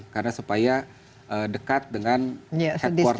karena supaya dekat dengan headquarter di jeddah